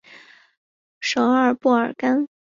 首府布尔干。